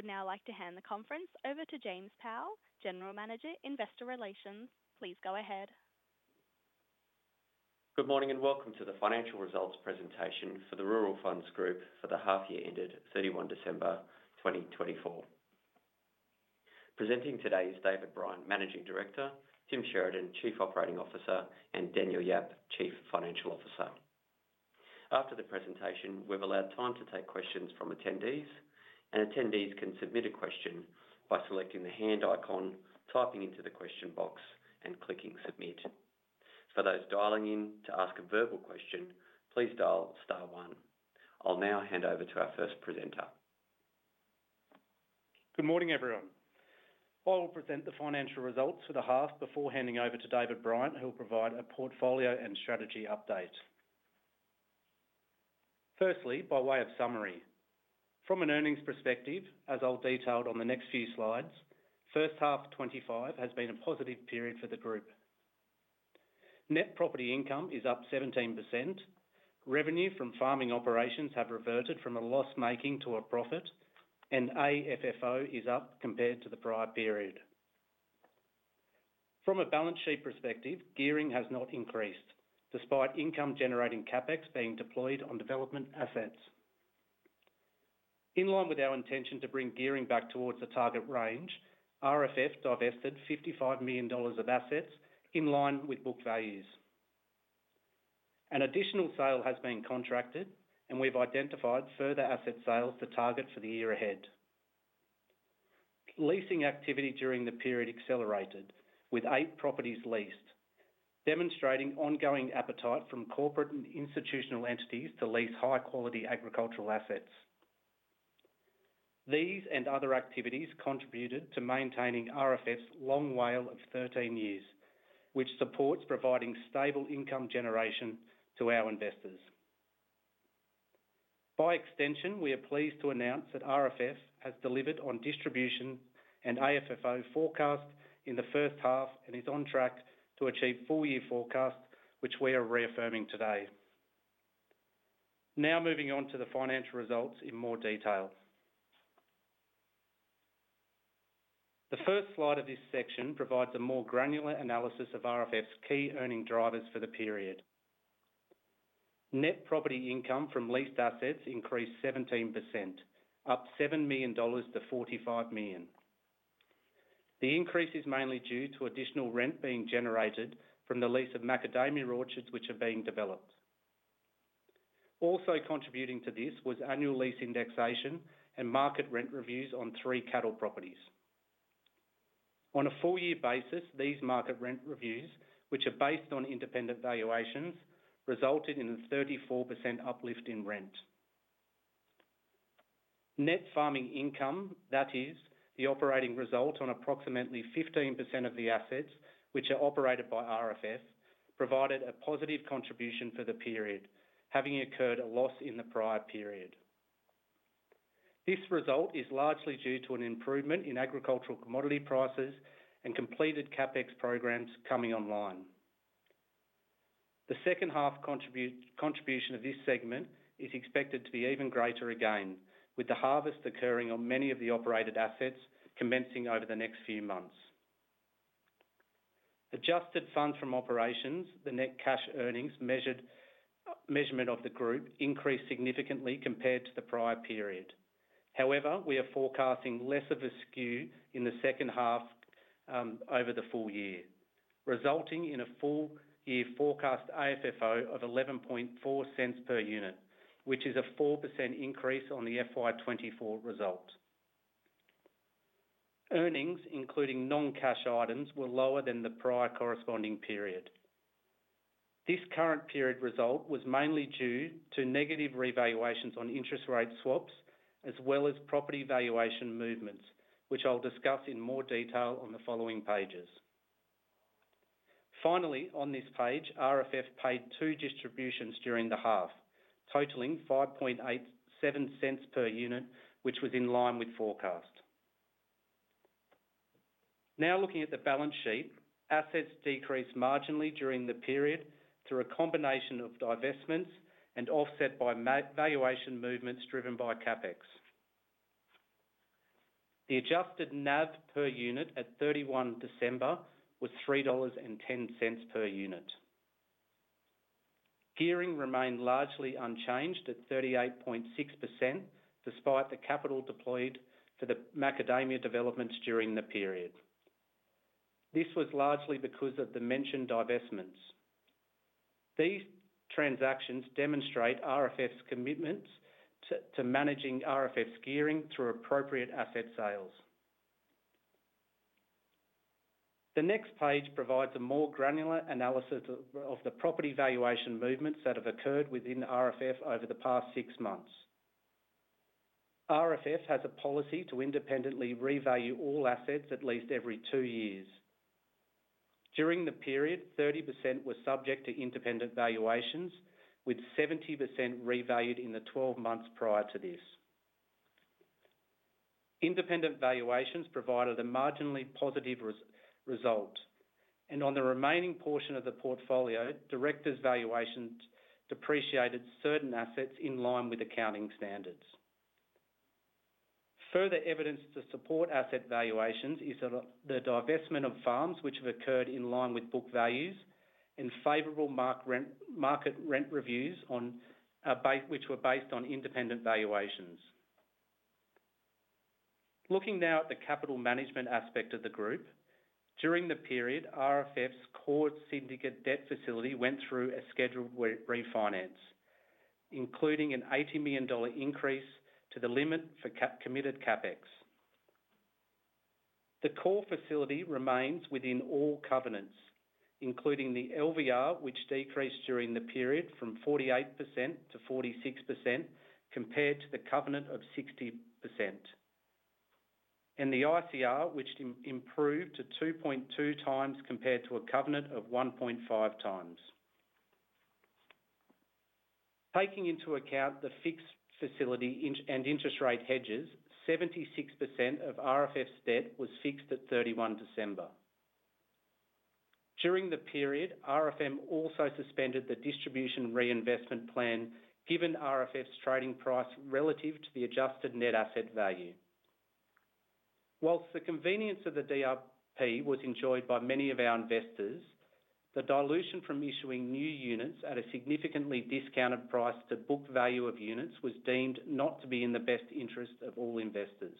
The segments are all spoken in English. Would now like to hand the conference over to James Powell, General Manager, Investor Relations. Please go ahead. Good morning and welcome to the financial results presentation for the Rural Funds Group for the half-year ended 31 December 2024. Presenting today is David Bryant, Managing Director, Tim Sheridan, Chief Operating Officer, and Daniel Yap, Chief Financial Officer. After the presentation, we've allowed time to take questions from attendees, and attendees can submit a question by selecting the hand icon, typing into the question box, and clicking submit. For those dialing in to ask a verbal question, please dial star one. I'll now hand over to our first presenter. Good morning, everyone. I will present the financial results for the half before handing over to David Bryant, who will provide a portfolio and strategy update. Firstly, by way of summary, from an earnings perspective, as I'll detail on the next few slides, first half 2025 has been a positive period for the group. Net property income is up 17%. Revenue from farming operations have reverted from a loss-making to a profit, and AFFO is up compared to the prior period. From a balance sheet perspective, gearing has not increased, despite income-generating CapEx being deployed on development assets. In line with our intention to bring gearing back towards the target range, RFF divested 55 million dollars of assets in line with book values. An additional sale has been contracted, and we've identified further asset sales to target for the year ahead. Leasing activity during the period accelerated, with eight properties leased, demonstrating ongoing appetite from corporate and institutional entities to lease high-quality agricultural assets. These and other activities contributed to maintaining RFF's long WALE of 13 years, which supports providing stable income generation to our investors. By extension, we are pleased to announce that RFF has delivered on distribution and AFFO forecast in the first half and is on track to achieve full-year forecast, which we are reaffirming today. Now moving on to the financial results in more detail. The first slide of this section provides a more granular analysis of RFF's key earning drivers for the period. Net property income from leased assets increased 17%, up 7 million-45 million dollars. The increase is mainly due to additional rent being generated from the lease of macadamia orchards, which are being developed. Also contributing to this was annual lease indexation and market rent reviews on three cattle properties. On a four-year basis, these market rent reviews, which are based on independent valuations, resulted in a 34% uplift in rent. Net farming income, that is, the operating result on approximately 15% of the assets which are operated by RFF, provided a positive contribution for the period, having incurred a loss in the prior period. This result is largely due to an improvement in agricultural commodity prices and completed CapEx programs coming online. The second half contribution of this segment is expected to be even greater again, with the harvest occurring on many of the operated assets commencing over the next few months. Adjusted funds from operations, the net cash earnings measurement of the group increased significantly compared to the prior period. However, we are forecasting less of a skew in the second half over the full year, resulting in a full-year forecast AFFO of 0.114 per unit, which is a 4% increase on the FY 2024 result. Earnings, including non-cash items, were lower than the prior corresponding period. This current period result was mainly due to negative revaluations on interest rate swaps, as well as property valuation movements, which I'll discuss in more detail on the following pages. Finally, on this page, RFF paid two distributions during the half, totaling 4.87 per unit, which was in line with forecast. Now looking at the balance sheet, assets decreased marginally during the period through a combination of divestments and offset by valuation movements driven by CapEx. The adjusted NAV per unit at 31 December was 3.10 dollars per unit. Gearing remained largely unchanged at 38.6%, despite the capital deployed for the macadamia developments during the period. This was largely because of the mentioned divestments. These transactions demonstrate RFF's commitment to managing RFF's gearing through appropriate asset sales. The next page provides a more granular analysis of the property valuation movements that have occurred within RFF over the past six months. RFF has a policy to independently revalue all assets at least every two years. During the period, 30% were subject to independent valuations, with 70% revalued in the 12 months prior to this. Independent valuations provided a marginally positive result, and on the remaining portion of the portfolio, directors' valuations depreciated certain assets in line with accounting standards. Further evidence to support asset valuations is the divestment of funds which have occurred in line with book values and favorable market rent reviews which were based on independent valuations. Looking now at the capital management aspect of the group, during the period, RFF's core syndicate debt facility went through a scheduled refinance, including an 80 million dollar increase to the limit for committed CapEx. The core facility remains within all covenants, including the LVR, which decreased during the period from 48%-46% compared to the covenant of 60%, and the ICR, which improved to 2.2x compared to a covenant of 1.5x. Taking into account the fixed facility and interest rate hedges, 76% of RFF's debt was fixed at 31 December. During the period, RFM also suspended the distribution reinvestment plan given RFF's trading price relative to the adjusted net asset value. While the convenience of the DRP was enjoyed by many of our investors, the dilution from issuing new units at a significantly discounted price to book value of units was deemed not to be in the best interest of all investors.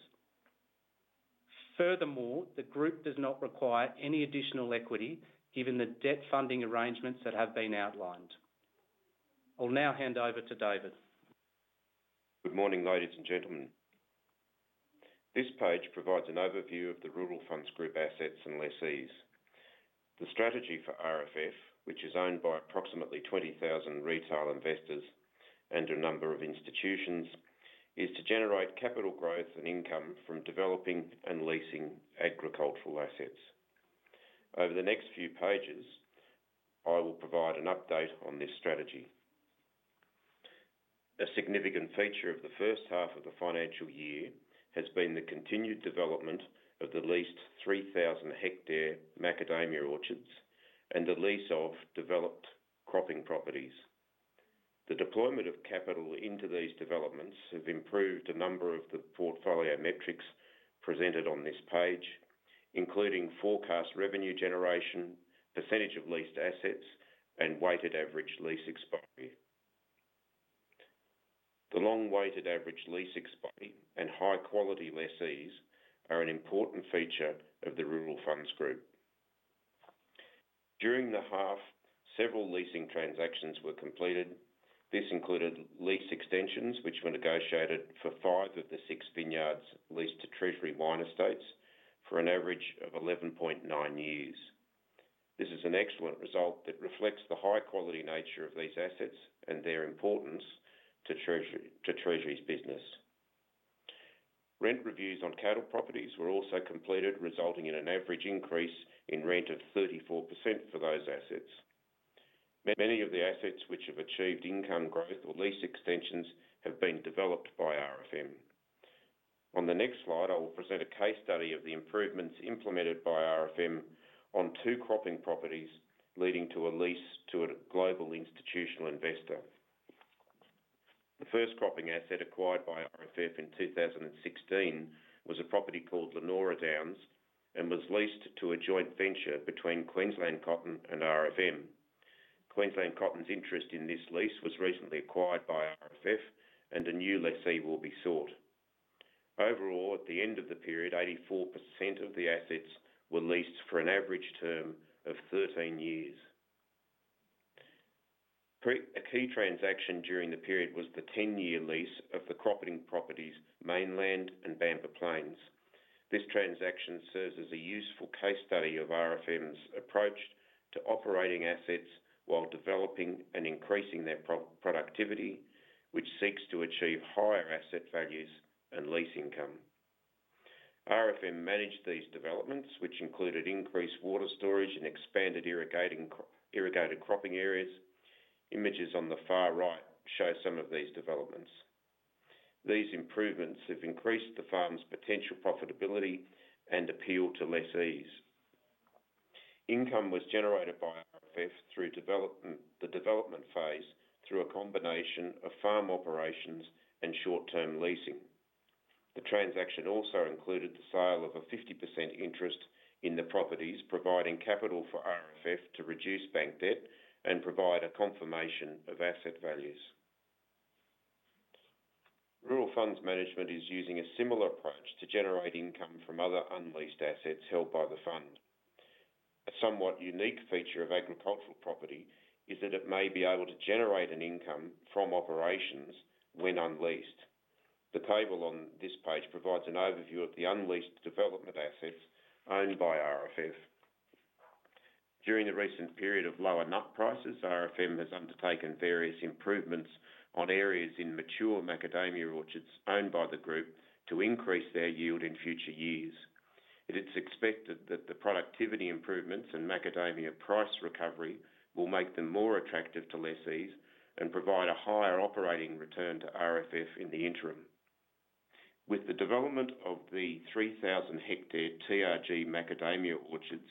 Furthermore, the group does not require any additional equity given the debt funding arrangements that have been outlined. I'll now hand over to David. Good morning, ladies and gentlemen. This page provides an overview of the Rural Funds Group assets and lessees. The strategy for RFF, which is owned by approximately 20,000 retail investors and a number of institutions, is to generate capital growth and income from developing and leasing agricultural assets. Over the next few pages, I will provide an update on this strategy. A significant feature of the first half of the financial year has been the continued development of the leased 3,000 hectare macadamia orchards and the lease of developed cropping properties. The deployment of capital into these developments has improved a number of the portfolio metrics presented on this page, including forecast revenue generation, percentage of leased assets, and weighted average lease expiry. The long weighted average lease expiry and high-quality lessees are an important feature of the Rural Funds Group. During the half, several leasing transactions were completed. This included lease extensions, which were negotiated for five of the six vineyards leased to Treasury Wine Estates for an average of 11.9 years. This is an excellent result that reflects the high-quality nature of these assets and their importance to Treasury's business. Rent reviews on cattle properties were also completed, resulting in an average increase in rent of 34% for those assets. Many of the assets which have achieved income growth or lease extensions have been developed by RFM. On the next slide, I will present a case study of the improvements implemented by RFM on two cropping properties leading to a lease to a global institutional investor. The first cropping asset acquired by RFF in 2016 was a property called Lynora Downs and was leased to a joint venture between Queensland Cotton and RFM. Queensland Cotton's interest in this lease was recently acquired by RFF, and a new lessee will be sought. Overall, at the end of the period, 84% of the assets were leased for an average term of 13 years. A key transaction during the period was the 10-year lease of the cropping properties Mainland and Baamba Plains. This transaction serves as a useful case study of RFM's approach to operating assets while developing and increasing their productivity, which seeks to achieve higher asset values and lease income. RFM managed these developments, which included increased water storage and expanded irrigated cropping areas. Images on the far right show some of these developments. These improvements have increased the farm's potential profitability and appeal to lessees. Income was generated by RFF through the development phase through a combination of farm operations and short-term leasing. The transaction also included the sale of a 50% interest in the properties, providing capital for RFF to reduce bank debt and provide a confirmation of asset values. Rural Funds Management is using a similar approach to generate income from other unleased assets held by the fund. A somewhat unique feature of agricultural property is that it may be able to generate an income from operations when unleased. The table on this page provides an overview of the unleased development assets owned by RFF. During the recent period of lower nut prices, RFM has undertaken various improvements on areas in mature macadamia orchards owned by the group to increase their yield in future years. It is expected that the productivity improvements and macadamia price recovery will make them more attractive to lessees and provide a higher operating return to RFF in the interim. With the development of the 3,000 hectare TRG macadamia orchards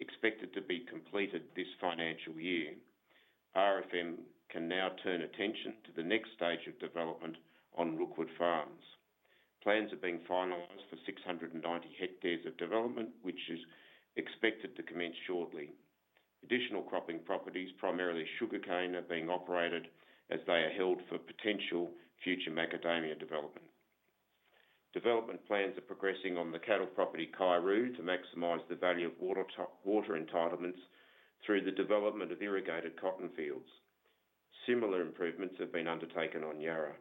expected to be completed this financial year, RFM can now turn attention to the next stage of development on Rookwood Farms. Plans are being finalized for 690 hectares of development, which is expected to commence shortly. Additional cropping properties, primarily sugarcane, are being operated as they are held for potential future macadamia development. Development plans are progressing on the cattle property Kaiuroo to maximize the value of water entitlements through the development of irrigated cotton fields. Similar improvements have been undertaken on Yarra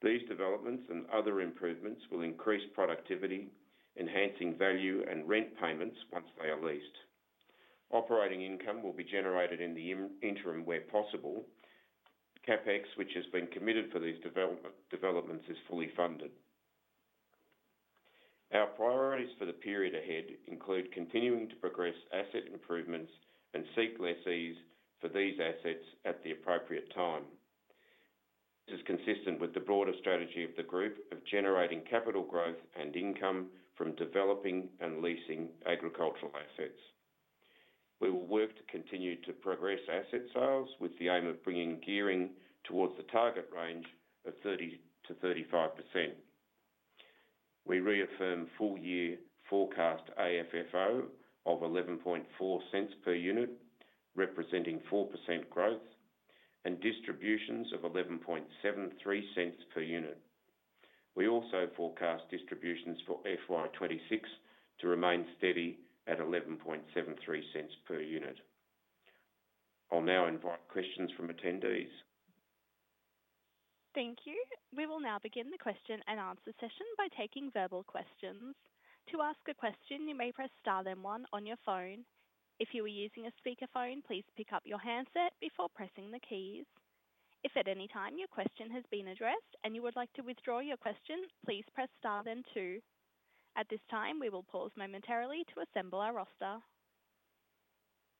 Valley. These developments and other improvements will increase productivity, enhancing value and rent payments once they are leased. Operating income will be generated in the interim where possible. CapEx, which has been committed for these developments, is fully funded. Our priorities for the period ahead include continuing to progress asset improvements and seek lessees for these assets at the appropriate time. This is consistent with the broader strategy of the group of generating capital growth and income from developing and leasing agricultural assets. We will work to continue to progress asset sales with the aim of bringing gearing towards the target range of 30%-35%. We reaffirm full-year forecast AFFO of 11.04 per unit, representing 4% growth, and distributions of 11.73 per unit. We also forecast distributions for FY 2026 to remain steady at 11.73 per unit. I'll now invite questions from attendees. Thank you. We will now begin the question and answer session by taking verbal questions. To ask a question, you may press star then one on your phone. If you are using a speakerphone, please pick up your handset before pressing the keys. If at any time your question has been addressed and you would like to withdraw your question, please press star then two. At this time, we will pause momentarily to assemble our roster.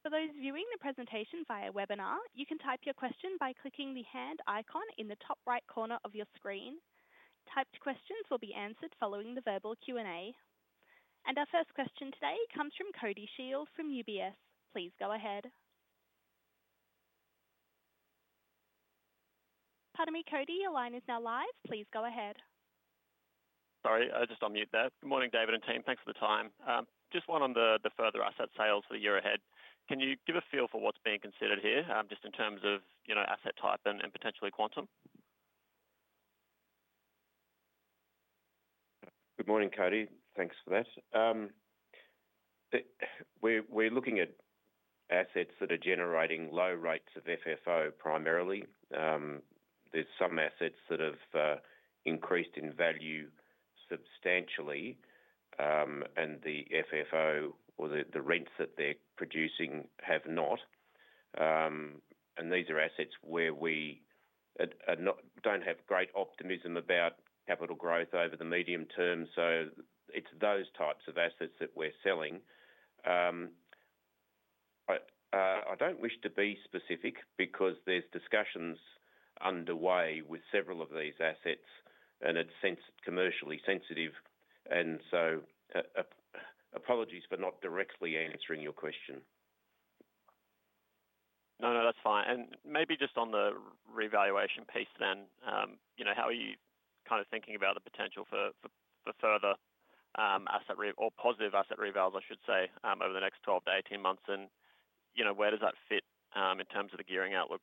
For those viewing the presentation via webinar, you can type your question by clicking the hand icon in the top right corner of your screen. Typed questions will be answered following the verbal Q&A. And our first question today comes from Cody Shield from UBS. Please go ahead. Pardon me, Cody, your line is now live. Please go ahead. Sorry, I'll just unmute that. Good morning, David and team. Thanks for the time. Just one on the further asset sales for the year ahead. Can you give a feel for what's being considered here, just in terms of asset type and potentially quantum? Good morning, Cody. Thanks for that. We're looking at assets that are generating low rates of FFO primarily. There's some assets that have increased in value substantially, and the FFO or the rents that they're producing have not, and these are assets where we don't have great optimism about capital growth over the medium term, so it's those types of assets that we're selling. I don't wish to be specific because there's discussions underway with several of these assets, and it's commercially sensitive, and so apologies for not directly answering your question. No, no, that's fine. Maybe just on the revaluation piece then, how are you kind of thinking about the potential for further asset or positive asset revalues, I should say, over the next 12months-18 months? Where does that fit in terms of the gearing outlook?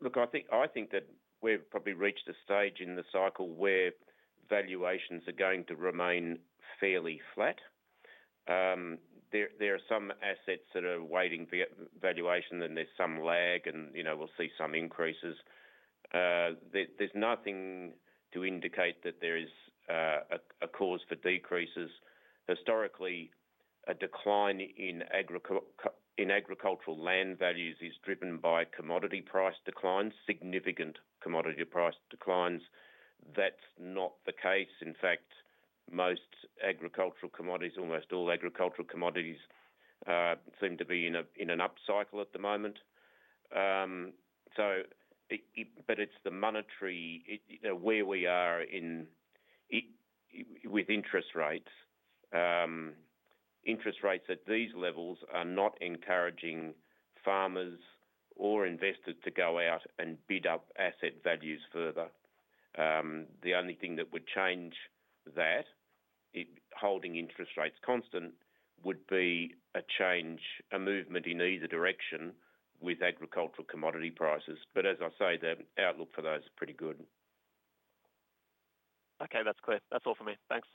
Look, I think that we've probably reached a stage in the cycle where valuations are going to remain fairly flat. There are some assets that are awaiting valuation, and there's some lag, and we'll see some increases. There's nothing to indicate that there is a cause for decreases. Historically, a decline in agricultural land values is driven by commodity price declines, significant commodity price declines. That's not the case. In fact, most agricultural commodities, almost all agricultural commodities, seem to be in an upcycle at the moment. But it's the monetary where we are with interest rates. Interest rates at these levels are not encouraging farmers or investors to go out and bid up asset values further. The only thing that would change that, holding interest rates constant, would be a change, a movement in either direction with agricultural commodity prices. but as I say, the outlook for those is pretty good. Okay, that's clear. That's all for me. Thanks.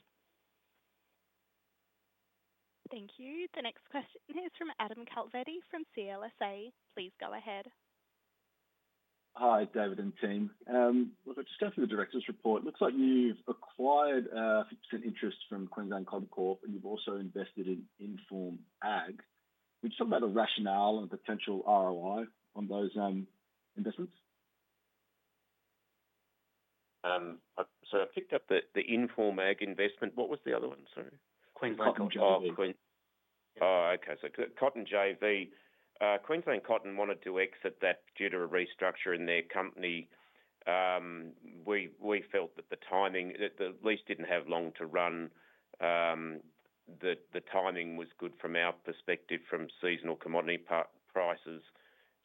Thank you. The next question is from Adam Calvetti from CLSA. Please go ahead. Hi, David and team. Look, I've just got through the director's report. It looks like you've acquired 50% interest from Queensland Cotton, and you've also invested in Inform Ag. Can you talk about the rationale and potential ROI on those investments? So I picked up the Inform Ag investment. What was the other one? Sorry. Queensland Cotton JV. Oh, okay. So, Cotton JV. Queensland Cotton wanted to exit that due to a restructure in their company. We felt that the timing, the lease didn't have long to run. The timing was good from our perspective from seasonal commodity prices.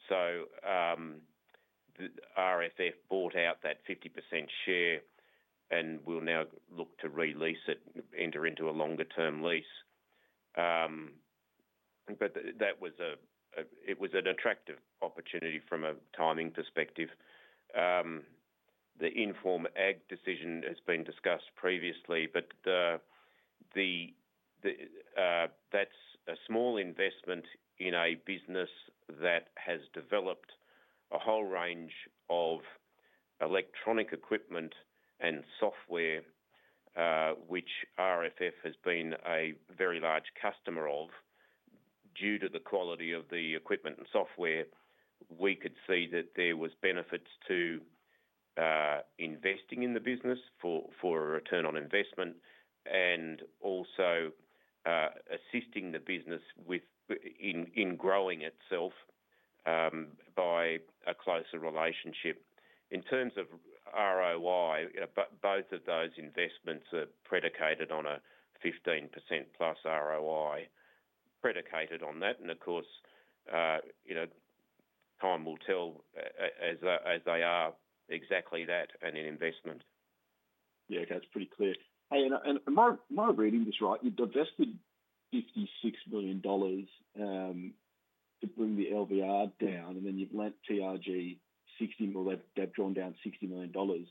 So, RFF bought out that 50% share and will now look to release it, enter into a longer-term lease. But it was an attractive opportunity from a timing perspective. The Inform Ag decision has been discussed previously, but that's a small investment in a business that has developed a whole range of electronic equipment and software, which RFF has been a very large customer of. Due to the quality of the equipment and software, we could see that there was benefit to investing in the business for a return on investment and also assisting the business in growing itself by a closer relationship. In terms of ROI, both of those investments are predicated on a 15% plus ROI, predicated on that. And of course, time will tell as they are exactly that and an investment. Yeah, okay. That's pretty clear. Hey, and am I reading this right, you've divested 56 million dollars to bring the LVR down, and then you've lent TRG 60 million, or they've drawn down 60 million dollars.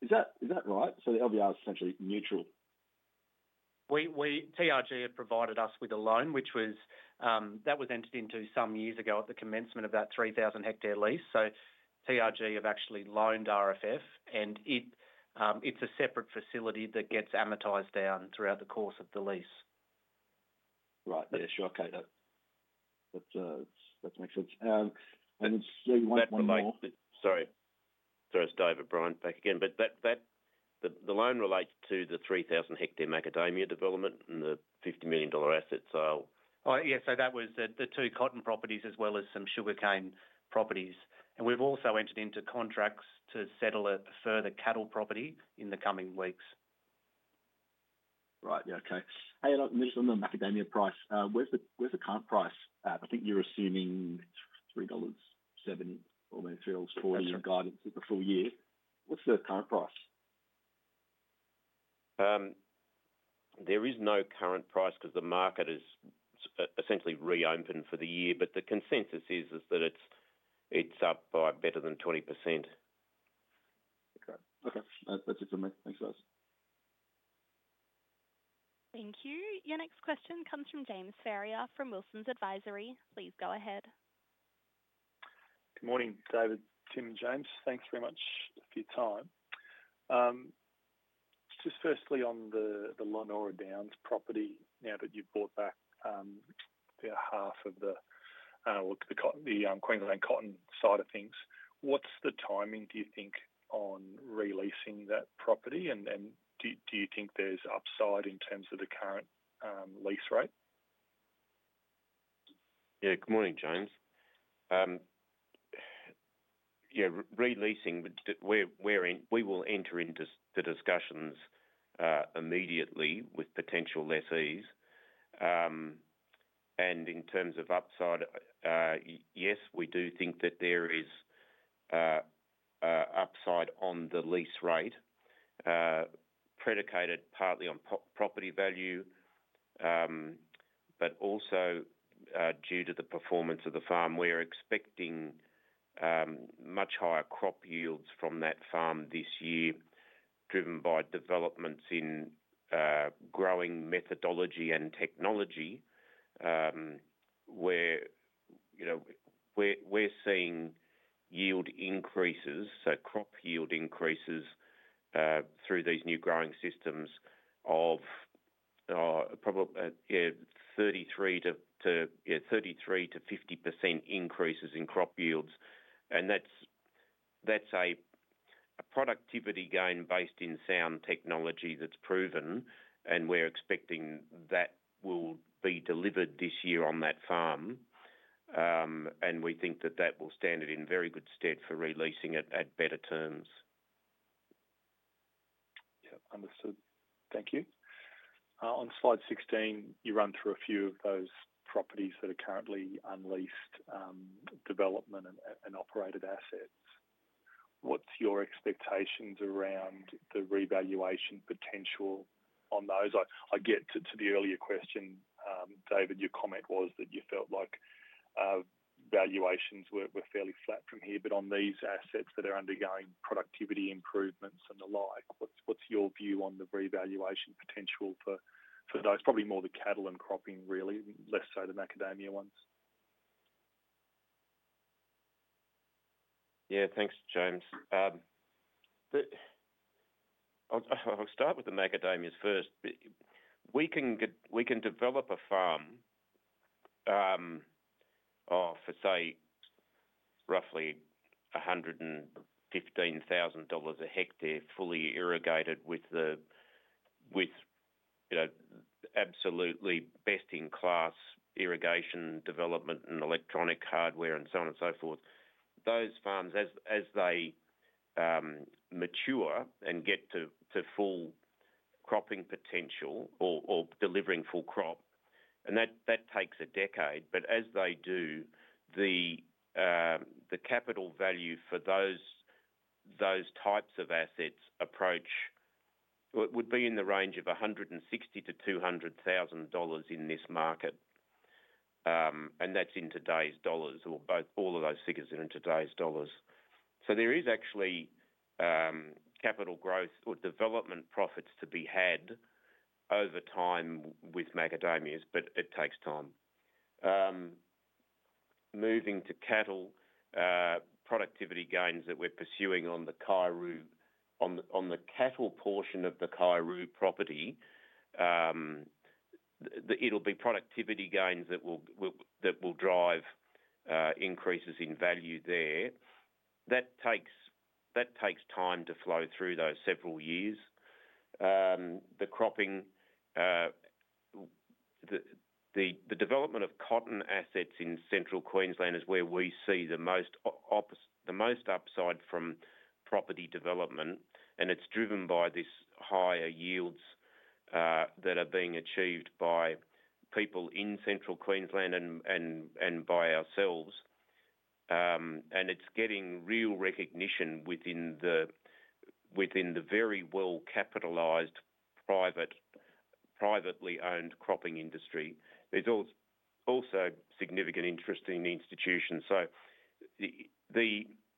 Is that right? So the LV is essentially neutral? TRG had provided us with a loan, which was entered into some years ago at the commencement of that 3,000-hectare lease. TRG have actually loaned RFF, and it's a separate facility that gets amortized down throughout the course of the lease. Right. Yeah, sure. Okay. That makes sense. And so you want one more. Sorry. Sorry, it's David Bryant back again. But the loan relates to the 3,000-hectare macadamia development and the 50 million dollar asset sale. Oh, yeah. So that was the two cotton properties as well as some sugarcane properties. And we've also entered into contracts to settle a further cattle property in the coming weeks. Right. Yeah, okay. Hey, I'm just on the macadamia price. Where's the current price? I think you're assuming 3.70 dollars, almost [3.40 dollars] in guidance for the full year. What's the current price? There is no current price because the market has essentially reopened for the year. But the consensus is that it's up by better than 20%. Okay. That's it for me. Thanks, guys. Thank you. Your next question comes from James Ferrier from Wilsons Advisory. Please go ahead. Good morning, David, Tim, James. Thanks very much for your time. Just firstly, on the Lynora Downs property now that you've bought back half of the Queensland Cotton side of things, what's the timing, do you think, on releasing that property? And do you think there's upside in terms of the current lease rate? Yeah, good morning, James. Yeah, releasing, we will enter into the discussions immediately with potential lessees. And in terms of upside, yes, we do think that there is upside on the lease rate, predicated partly on property value, but also due to the performance of the farm. We're expecting much higher crop yields from that farm this year, driven by developments in growing methodology and technology, where we're seeing yield increases, so crop yield increases through these new growing systems of probably 33%-50% increases in crop yields. And that's a productivity gain based in sound technology that's proven, and we're expecting that will be delivered this year on that farm. And we think that that will stand it in very good stead for releasing it at better terms. Yeah, understood. Thank you. On slide 16, you run through a few of those properties that are currently unleased, development, and operated assets. What's your expectations around the revaluation potential on those? Referring to the earlier question, David, your comment was that you felt like valuations were fairly flat from here. But on these assets that are undergoing productivity improvements and the like, what's your view on the revaluation potential for those? Probably more the cattle and cropping, really, less so the macadamia ones. Yeah, thanks, James. I'll start with the macadamias first. We can develop a farm of, say, roughly 115,000 dollars a hectare, fully irrigated with absolutely best-in-class irrigation development and electronic hardware and so on and so forth. Those farms, as they mature and get to full cropping potential or delivering full crop, and that takes a decade, but as they do, the capital value for those types of assets approach would be in the range of 160,000-200,000 dollars in this market. And that's in today's dollars. All of those figures are in today's dollars. So there is actually capital growth or development profits to be had over time with macadamias, but it takes time. Moving to cattle, productivity gains that we're pursuing on the cattle portion of the Kaiuroo property, it'll be productivity gains that will drive increases in value there. That takes time to flow through those several years. The development of cotton assets in Central Queensland is where we see the most upside from property development, and it's driven by these higher yields that are being achieved by people in Central Queensland and by ourselves, and it's getting real recognition within the very well-capitalized privately owned cropping industry. There's also significant institutional interest. So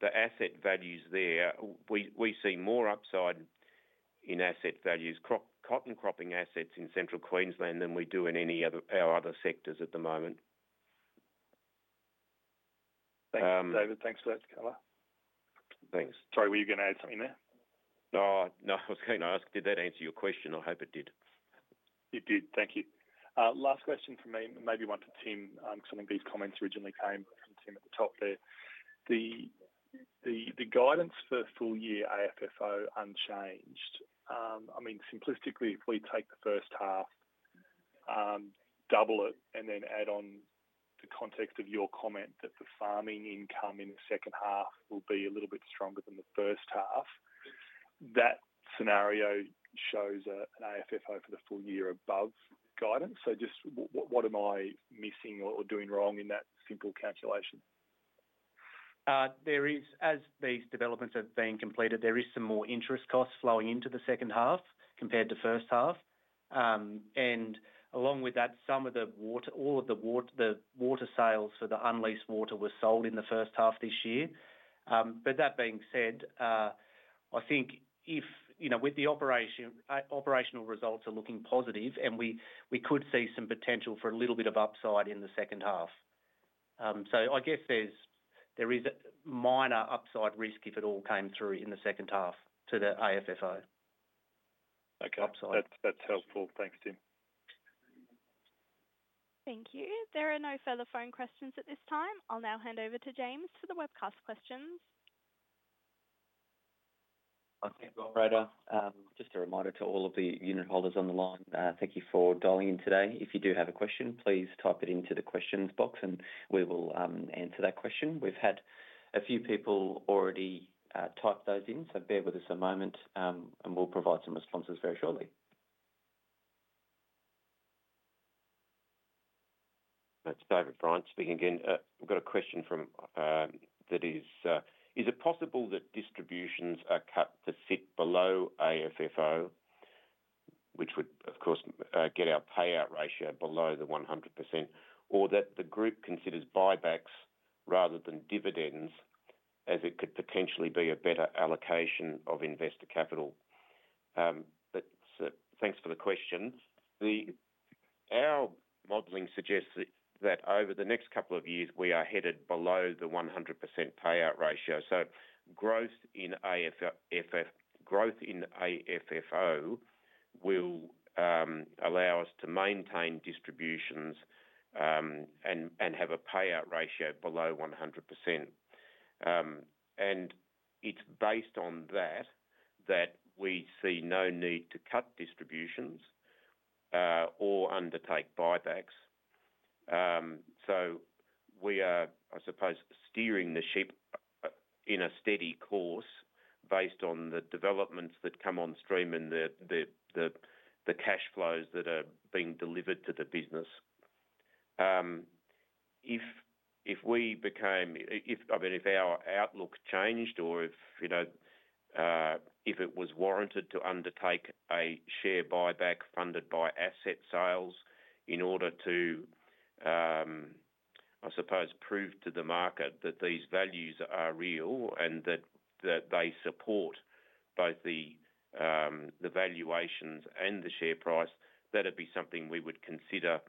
the asset values there, we see more upside in asset values, cotton cropping assets in Central Queensland than we do in our other sectors at the moment. Thanks, David. Thanks for that colour. Thanks. Sorry, were you going to add something there? No, no. I was going to ask, did that answer your question? I hope it did. It did. Thank you. Last question for me, maybe one for Tim, because I think these comments originally came from Tim at the top there. The guidance for full-year AFFO unchanged. I mean, simplistically, if we take the first half, double it, and then add on the context of your comment that the farming income in the second half will be a little bit stronger than the first half, that scenario shows an AFFO for the full year above guidance. So just what am I missing or doing wrong in that simple calculation? As these developments have been completed, there is some more interest costs flowing into the second half compared to first half, and along with that, some of the water sales for the unleased water were sold in the first half this year, but that being said, I think if with the operational results are looking positive, and we could see some potential for a little bit of upside in the second half, so I guess there is a minor upside risk if it all came through in the second half to the AFFO. Okay. That's helpful. Thanks, Tim. Thank you. There are no further phone questions at this time. I'll now hand over to James for the webcast questions. Thank you, operator. Right. Just a reminder to all of the unit holders on the line. Thank you for dialing in today. If you do have a question, please type it into the questions box, and we will answer that question. We've had a few people already type those in, so bear with us a moment, and we'll provide some responses very shortly. It's David Bryant speaking again. We've got a question that is, is it possible that distributions are cut to sit below AFFO, which would, of course, get our payout ratio below the 100%, or that the group considers buybacks rather than dividends as it could potentially be a better allocation of investor capital? Thanks for the question. Our modeling suggests that over the next couple of years, we are headed below the 100% payout ratio. So growth in AFFO will allow us to maintain distributions and have a payout ratio below 100%, and it's based on that that we see no need to cut distributions or undertake buybacks, so we are, I suppose, steering the ship in a steady course based on the developments that come on stream and the cash flows that are being delivered to the business. If we became, I mean, if our outlook changed or if it was warranted to undertake a share buyback funded by asset sales in order to, I suppose, prove to the market that these values are real and that they support both the valuations and the share price, that would be something we would consider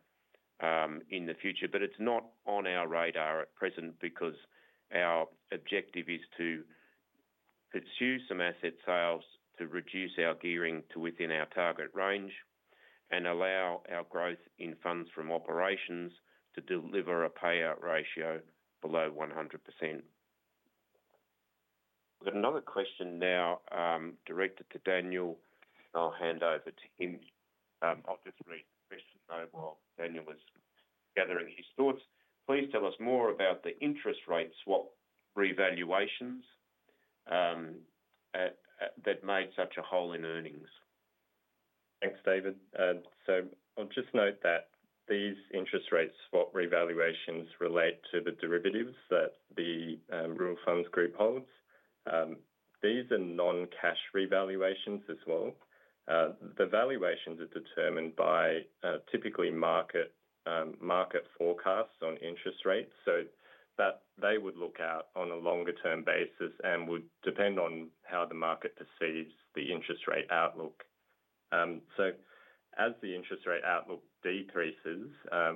in the future. But it's not on our radar at present because our objective is to pursue some asset sales to reduce our gearing to within our target range and allow our growth in funds from operations to deliver a payout ratio below 100%. We've got another question now directed to Daniel. I'll hand over to him. I'll just read the question while Daniel is gathering his thoughts. Please tell us more about the interest rate swap revaluations that made such a hole in earnings. Thanks, David. So I'll just note that these interest rate swap revaluations relate to the derivatives that the Rural Funds Group holds. These are non-cash revaluations as well. The valuations are determined by typically market forecasts on interest rates. So they would look out on a longer-term basis and would depend on how the market perceives the interest rate outlook. So as the interest rate outlook decreases,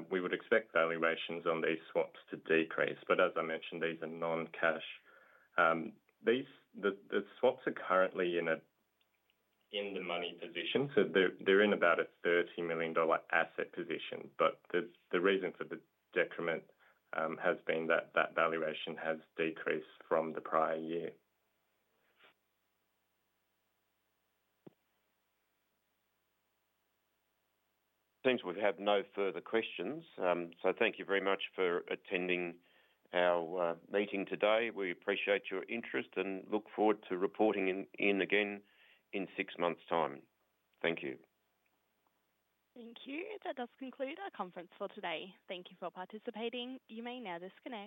we would expect valuations on these swaps to decrease. But as I mentioned, these are non-cash. The swaps are currently in the money position. So they're in about a 30 million dollar asset position. But the reason for the decrement has been that that valuation has decreased from the prior year. Thanks. We have no further questions. So thank you very much for attending our meeting today. We appreciate your interest and look forward to reporting in again in six months' time. Thank you. Thank you. That does conclude our conference for today. Thank you for participating. You may now disconnect.